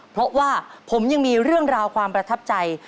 เพราะว่าผมยังมีเรื่องราวความประทับใจ